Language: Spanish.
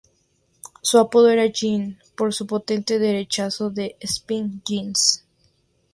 Su apodo era "Jinx", por su potente derechazo: "The Spinks Jinx".